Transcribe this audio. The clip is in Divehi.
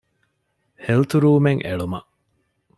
ހެލްތުރޫމެއް އެޅުމަށް